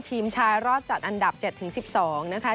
ทีมชายรอดจัดอันดับ๗๑๒นะคะ